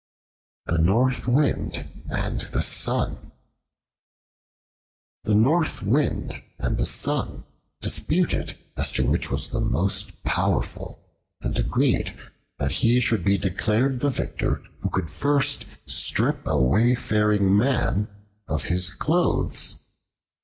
The North Wind and the Sun THE NORTH WIND and the Sun disputed as to which was the most powerful, and agreed that he should be declared the victor who could first strip a wayfaring man of his clothes.